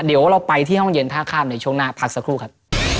เดี๋ยวเราไปที่ห้องเย็นท่าข้ามในช่วงหน้าพักสักครู่ครับ